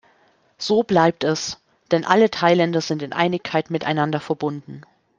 So bleibt es, denn alle Thailänder sind in Einigkeit miteinander verbunden.